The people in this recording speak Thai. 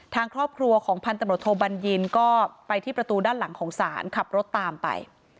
ทางครอบครัวของพันตำรวจโทบัญญินก็ไปที่ประตูด้านหลังของศาลขับรถตามไป